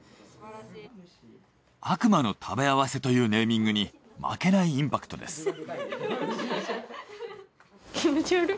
悪魔の食べ合わせというネーミングに負けないインパクトです。